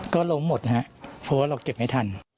ก็ล้มหมดนะครับเพราะว่าเราเก็บไม่ทัน